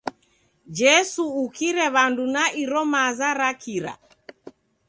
Jesu ukire w'andu na iro maza ra kira!